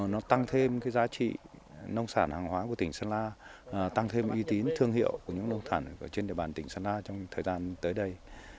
nó tăng thêm cái giá trị nông sản hàng hóa của tỉnh sơn la tăng thêm uy tín thương hiệu của những nông sản trên địa bàn tỉnh sơn la trong thời gian tới đây